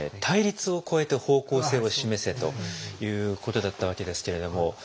「対立を越えて方向性を示せ！」ということだったわけですけれども。